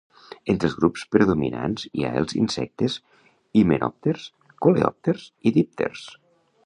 Entre els grups predominants hi ha els insectes himenòpters, coleòpters i dípters.